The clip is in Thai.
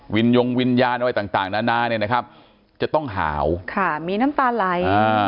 วินยงวิญญาณอะไรต่างนานาเนี่ยนะครับจะต้องหาวมีน้ำตาไหล